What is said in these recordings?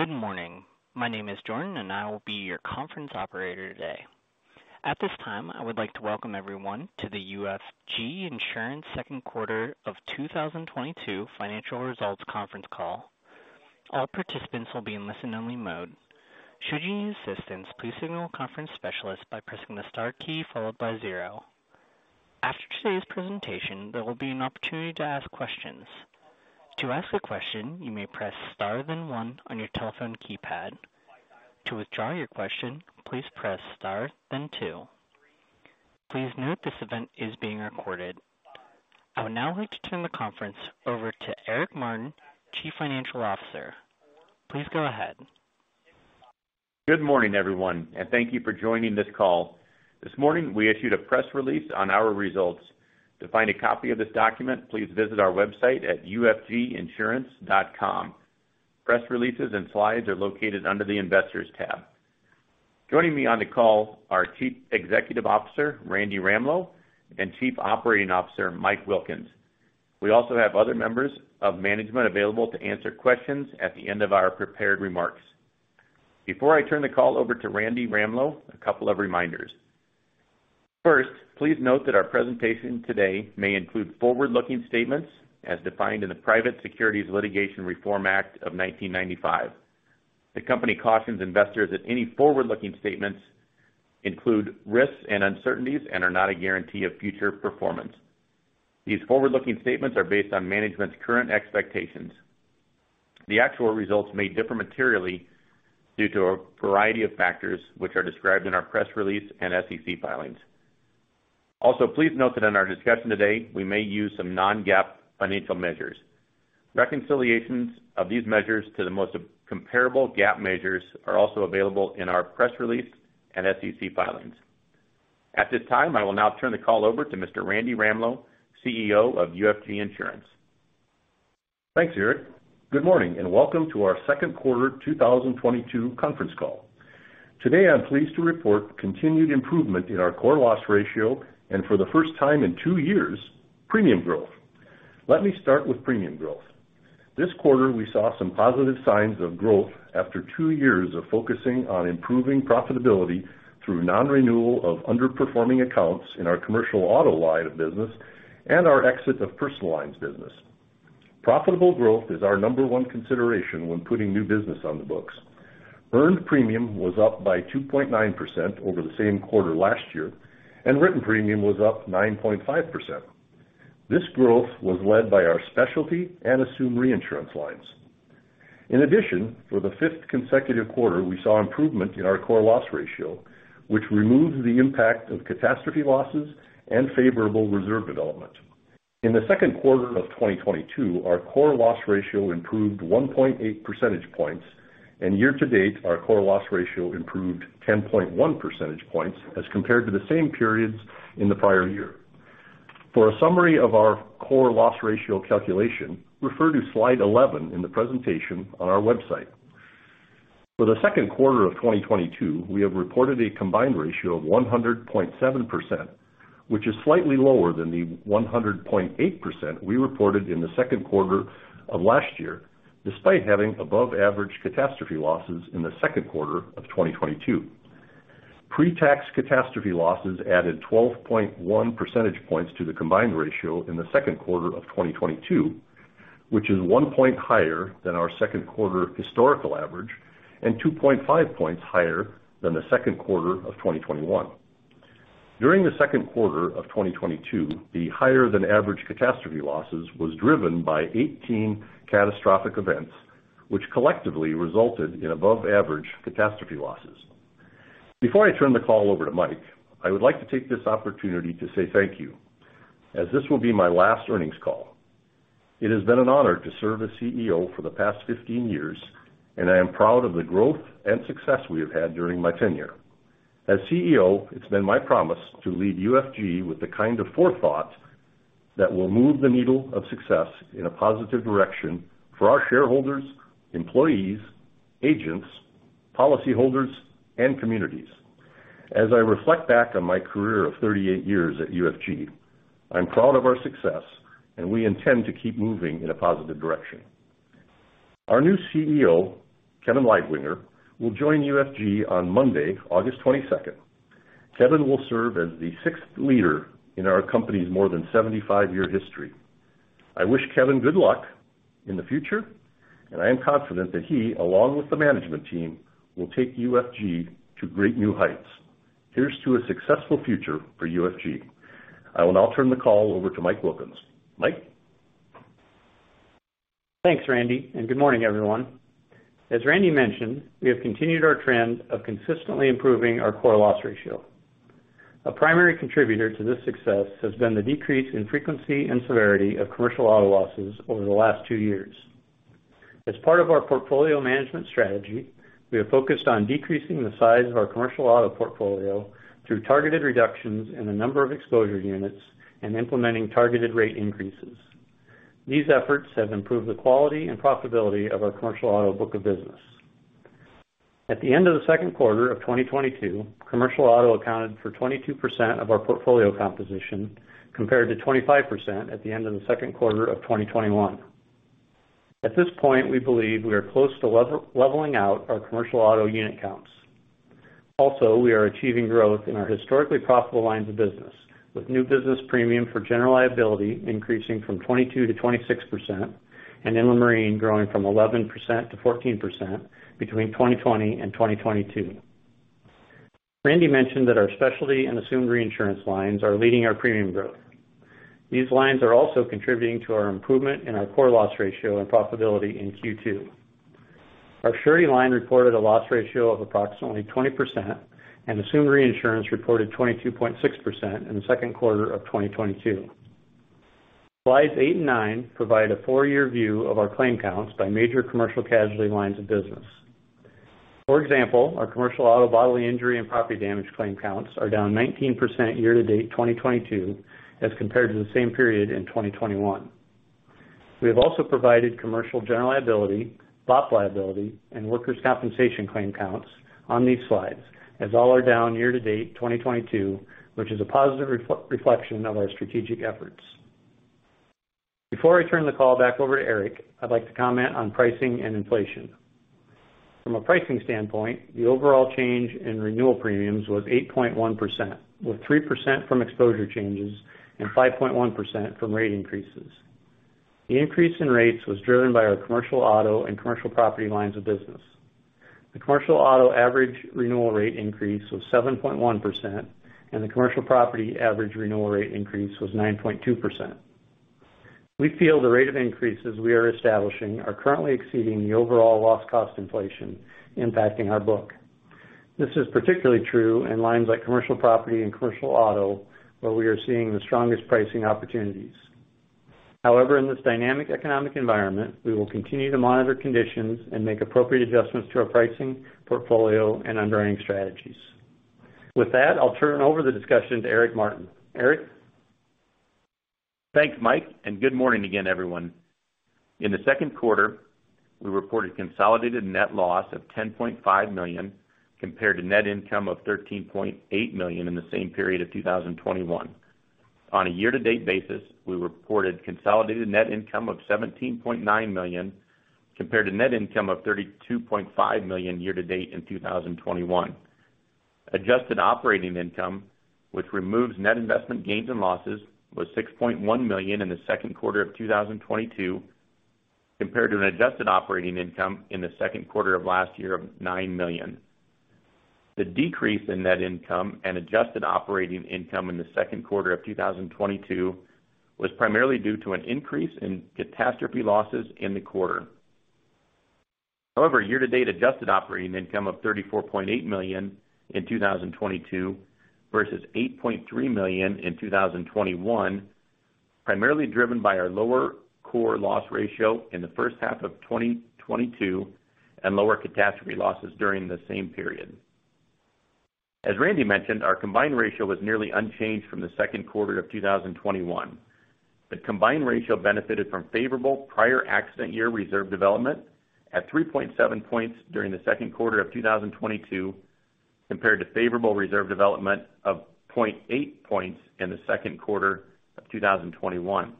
Good morning. My name is Jordan, and I will be your conference operator today. At this time, I would like to welcome everyone to the UFG Insurance second quarter of 2022 financial results conference call. All participants will be in listen-only mode. Should you need assistance, please signal a conference specialist by pressing the star key followed by zero. After today's presentation, there will be an opportunity to ask questions. To ask a question, you may press Star, then one on your telephone keypad. To withdraw your question, please press Star, then two. Please note this event is being recorded. I would now like to turn the conference over to Eric Martin, Chief Financial Officer. Please go ahead. Good morning, everyone, and thank you for joining this call. This morning, we issued a press release on our results. To find a copy of this document, please visit our website at ufginsurance.com. Press releases and slides are located under the Investors tab. Joining me on the call are Chief Executive Officer, Randy Ramlo, and Chief Operating Officer, Mike Wilkins. We also have other members of management available to answer questions at the end of our prepared remarks. Before I turn the call over to Randy Ramlo, a couple of reminders. First, please note that our presentation today may include forward-looking statements as defined in the Private Securities Litigation Reform Act of 1995. The company cautions investors that any forward-looking statements include risks and uncertainties and are not a guarantee of future performance. These forward-looking statements are based on management's current expectations. The actual results may differ materially due to a variety of factors, which are described in our press release and SEC filings. Also, please note that in our discussion today, we may use some non-GAAP financial measures. Reconciliations of these measures to the most comparable GAAP measures are also available in our press release and SEC filings. At this time, I will now turn the call over to Mr. Randy Ramlo, CEO of UFG Insurance. Thanks, Eric. Good morning and welcome to our second quarter 2022 conference call. Today, I'm pleased to report continued improvement in our core loss ratio and for the first time in two years, premium growth. Let me start with premium growth. This quarter, we saw some positive signs of growth after two years of focusing on improving profitability through non-renewal of underperforming accounts in our commercial auto line of business and our exit of personal lines business. Profitable growth is our number one consideration when putting new business on the books. Earned premium was up by 2.9% over the same quarter last year, and written premium was up 9.5%. This growth was led by our specialty and assumed reinsurance lines. In addition, for the fifth consecutive quarter, we saw improvement in our core loss ratio, which removes the impact of catastrophe losses and favorable reserve development. In the second quarter of 2022, our core loss ratio improved 1.8 percentage points, and year to date, our core loss ratio improved 10.1 percentage points as compared to the same periods in the prior year. For a summary of our core loss ratio calculation, refer to slide 11 in the presentation on our website. For the second quarter of 2022, we have reported a combined ratio of 100.7%, which is slightly lower than the 100.8% we reported in the second quarter of last year, despite having above average catastrophe losses in the second quarter of 2022. Pre-tax catastrophe losses added 12.1 percentage points to the combined ratio in the second quarter of 2022, which is one point higher than our second quarter historical average and 2.5 points higher than the second quarter of 2021. During the second quarter of 2022, the higher than average catastrophe losses was driven by 18 catastrophic events, which collectively resulted in above average catastrophe losses. Before I turn the call over to Mike, I would like to take this opportunity to say thank you, as this will be my last earnings call. It has been an honor to serve as CEO for the past 15 years, and I am proud of the growth and success we have had during my tenure. As CEO, it's been my promise to lead UFG with the kind of forethought that will move the needle of success in a positive direction for our shareholders, employees, agents, policyholders, and communities. As I reflect back on my career of 38 years at UFG, I'm proud of our success, and we intend to keep moving in a positive direction. Our new CEO, Kevin Leidwinger, will join UFG on Monday, August 22. Kevin will serve as the sixth leader in our company's more than 75-year history. I wish Kevin good luck in the future, and I am confident that he, along with the management team, will take UFG to great new heights. Here's to a successful future for UFG. I will now turn the call over to Michael Wilkins. Mike? Thanks, Randy, and good morning, everyone. As Randy mentioned, we have continued our trend of consistently improving our core loss ratio. A primary contributor to this success has been the decrease in frequency and severity of commercial auto losses over the last two years. As part of our portfolio management strategy, we have focused on decreasing the size of our commercial auto portfolio through targeted reductions in the number of exposure units and implementing targeted rate increases. These efforts have improved the quality and profitability of our commercial auto book of business. At the end of the second quarter of 2022, commercial auto accounted for 22% of our portfolio composition, compared to 25% at the end of the second quarter of 2021. At this point, we believe we are close to leveling out our commercial auto unit counts. We are achieving growth in our historically profitable lines of business, with new business premium for general liability increasing from 22% to 26% and inland marine growing from 11% to 14% between 2020 and 2022. Randy mentioned that our specialty and assumed reinsurance lines are leading our premium growth. These lines are also contributing to our improvement in our core loss ratio and profitability in Q2. Our surety line reported a loss ratio of approximately 20%, and assumed reinsurance reported 22.6% in the second quarter of 2022. Slides 8 and 9 provide a 4-year view of our claim counts by major commercial casualty lines of business. For example, our commercial auto bodily injury and property damage claim counts are down 19% year-to-date 2022 as compared to the same period in 2021. We have also provided commercial general liability, BOP liability, and workers' compensation claim counts on these slides, as all are down year-to-date 2022, which is a positive reflection of our strategic efforts. Before I turn the call back over to Eric, I'd like to comment on pricing and inflation. From a pricing standpoint, the overall change in renewal premiums was 8.1%, with 3% from exposure changes and 5.1% from rate increases. The increase in rates was driven by our commercial auto and commercial property lines of business. The commercial auto average renewal rate increase was 7.1%, and the commercial property average renewal rate increase was 9.2%. We feel the rate of increases we are establishing are currently exceeding the overall loss cost inflation impacting our book. This is particularly true in lines like commercial property and commercial auto, where we are seeing the strongest pricing opportunities. However, in this dynamic economic environment, we will continue to monitor conditions and make appropriate adjustments to our pricing, portfolio, and underwriting strategies. With that, I'll turn over the discussion to Eric Martin. Eric? Thanks, Mike, and good morning again, everyone. In the second quarter, we reported consolidated net loss of $10.5 million compared to net income of $13.8 million in the same period of 2021. On a year-to-date basis, we reported consolidated net income of $17.9 million compared to net income of $32.5 million year-to-date in 2021. Adjusted operating income, which removes net investment gains and losses, was $6.1 million in the second quarter of 2022, compared to an adjusted operating income in the second quarter of last year of $9 million. The decrease in net income and adjusted operating income in the second quarter of 2022 was primarily due to an increase in catastrophe losses in the quarter. However, year-to-date adjusted operating income of $34.8 million in 2022 versus $8.3 million in 2021, primarily driven by our lower core loss ratio in the first half of 2022 and lower catastrophe losses during the same period. As Randy mentioned, our combined ratio was nearly unchanged from the second quarter of 2021. The combined ratio benefited from favorable prior accident year reserve development at 3.7 points during the second quarter of 2022, compared to favorable reserve development of 0.8 points in the second quarter of 2021.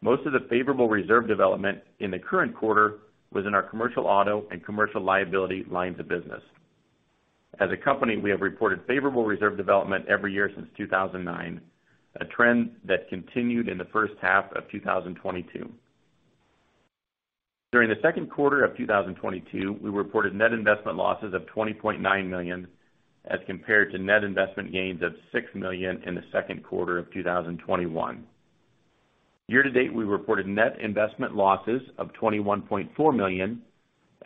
Most of the favorable reserve development in the current quarter was in our commercial auto and commercial liability lines of business. As a company, we have reported favorable reserve development every year since 2009, a trend that continued in the first half of 2022. During the second quarter of 2022, we reported net investment losses of $20.9 million as compared to net investment gains of $6 million in the second quarter of 2021. Year-to-date, we reported net investment losses of $21.4 million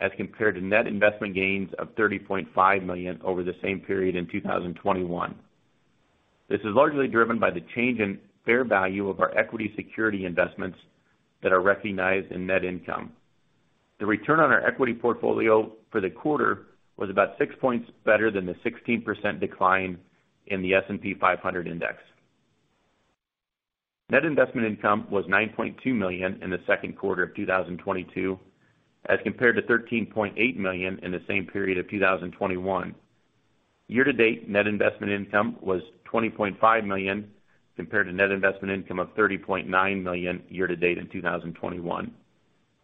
as compared to net investment gains of $30.5 million over the same period in 2021. This is largely driven by the change in fair value of our equity security investments that are recognized in net income. The return on our equity portfolio for the quarter was about six points better than the 16% decline in the S&P 500 index. Net investment income was $9.2 million in the second quarter of 2022, as compared to $13.8 million in the same period of 2021. Year-to-date net investment income was $20.5 million compared to net investment income of $30.9 million year-to-date in 2021.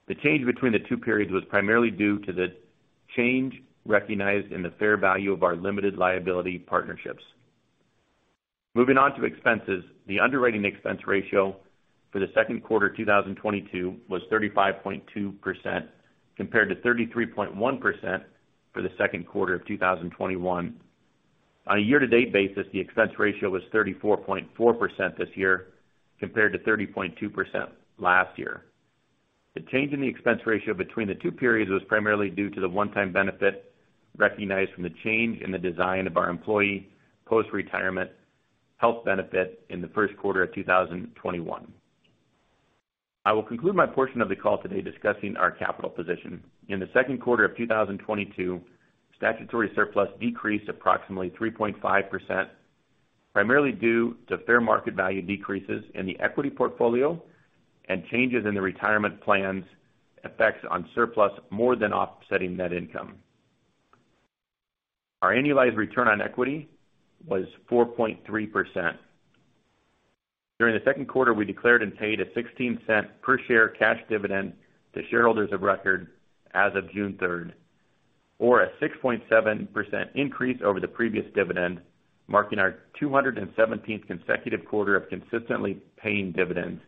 The change between the two periods was primarily due to the change recognized in the fair value of our limited liability partnerships. Moving on to expenses. The underwriting expense ratio for the second quarter 2022 was 35.2%, compared to 33.1% for the second quarter of 2021. On a year-to-date basis, the expense ratio was 34.4% this year compared to 30.2% last year. The change in the expense ratio between the two periods was primarily due to the one-time benefit recognized from the change in the design of our employee post-retirement health benefit in the first quarter of 2021. I will conclude my portion of the call today discussing our capital position. In the second quarter of 2022, statutory surplus decreased approximately 3.5% primarily due to fair market value decreases in the equity portfolio and changes in the retirement plans effects on surplus more than offsetting net income. Our annualized return on equity was 4.3%. During the second quarter, we declared and paid a $0.16 per share cash dividend to shareholders of record as of June third, or a 6.7% increase over the previous dividend, marking our 217th consecutive quarter of consistently paying dividends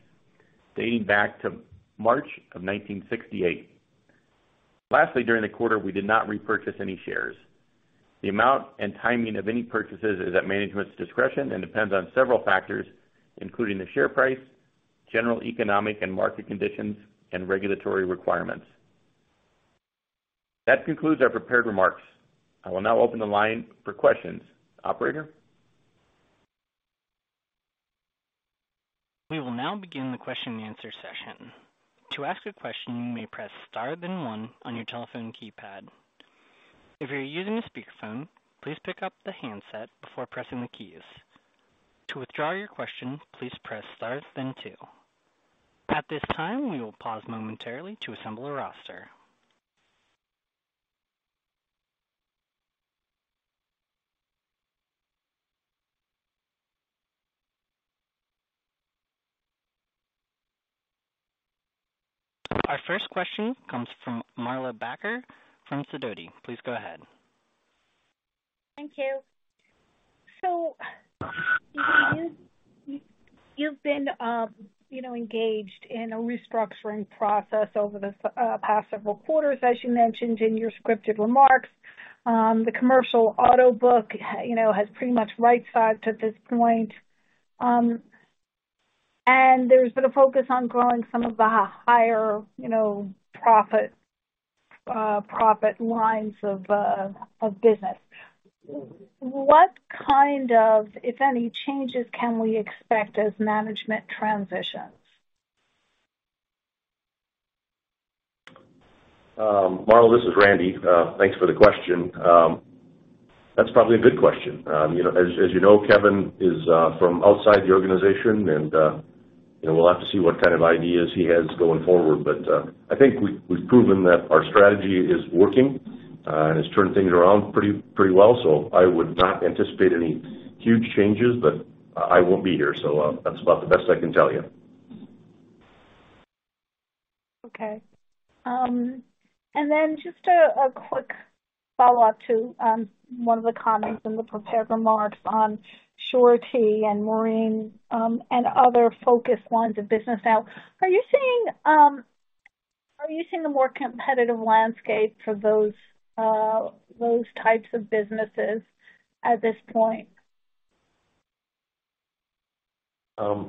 dating back to March 1968. Lastly, during the quarter, we did not repurchase any shares. The amount and timing of any purchases is at management's discretion and depends on several factors, including the share price, general economic and market conditions, and regulatory requirements. That concludes our prepared remarks. I will now open the line for questions. Operator? We will now begin the question and answer session. To ask a question, you may press Star, then one on your telephone keypad. If you're using a speakerphone, please pick up the handset before pressing the keys. To withdraw your question, please press Star, then two. At this time, we will pause momentarily to assemble a roster. Our first question comes from Marla Backer from Sidoti. Please go ahead. Thank you. You've been you know engaged in a restructuring process over the past several quarters. As you mentioned in your scripted remarks, the commercial auto book you know has pretty much right-sized at this point. There's been a focus on growing some of the higher you know profit lines of business. What kind of, if any, changes can we expect as management transitions? Marla, this is Randy. Thanks for the question. That's probably a good question. You know, as you know, Kevin is from outside the organization and you know, we'll have to see what kind of ideas he has going forward. I think we've proven that our strategy is working and it's turned things around pretty well. I would not anticipate any huge changes, but I won't be here, so that's about the best I can tell you. Okay. Then just a quick follow-up to one of the comments in the prepared remarks on Surety and Marine, and other focused lines of business. Now are you seeing a more competitive landscape for those types of businesses at this point?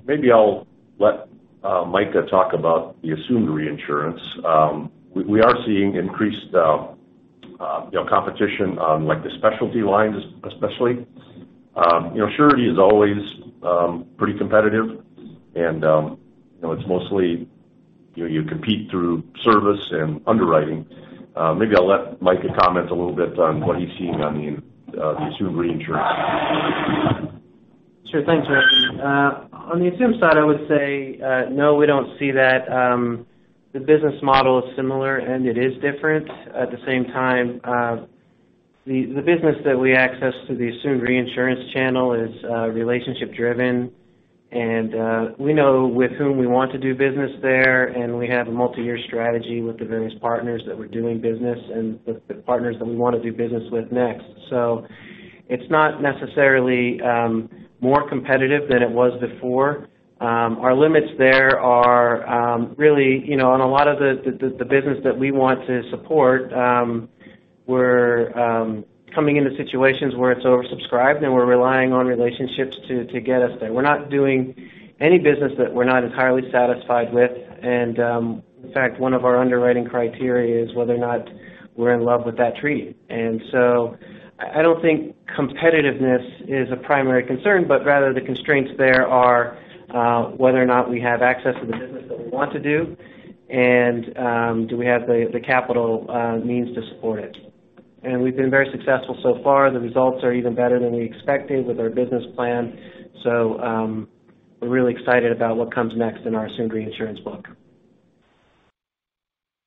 Maybe I'll let Micah talk about the assumed reinsurance. We are seeing increased, you know, competition on like the specialty lines especially. You know, Surety is always pretty competitive and, you know, it's mostly, you know, you compete through service and underwriting. Maybe I'll let Micah comment a little bit on what he's seeing on the assumed reinsurance. Sure. Thanks, Randy. On the assumed side, I would say, no, we don't see that, the business model is similar, and it is different at the same time. The business that we access to the assumed reinsurance channel is relationship-driven and we know with whom we want to do business there, and we have a multi-year strategy with the various partners that we're doing business and with the partners that we wanna do business with next. It's not necessarily more competitive than it was before. Our limits there are really, you know, on a lot of the business that we want to support, we're coming into situations where it's oversubscribed and we're relying on relationships to get us there. We're not doing any business that we're not entirely satisfied with. In fact, one of our underwriting criteria is whether or not we're in love with that treaty. I don't think competitiveness is a primary concern, but rather the constraints there are whether or not we have access to the business that we want to do and do we have the capital means to support it. We've been very successful so far. The results are even better than we expected with our business plan. We're really excited about what comes next in our assumed reinsurance book.